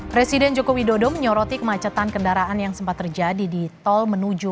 presiden joko widodo menyoroti kemacetan kendaraan yang sempat terjadi di tol menuju